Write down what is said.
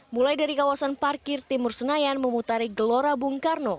mulai dari kawasan parkir timur senayan memutari gelora bung karno